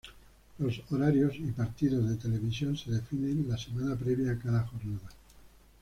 Los horarios y partidos de televisión se definen la semana previa a cada jornada.